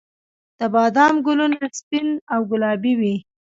د بادام ګلونه سپین او ګلابي وي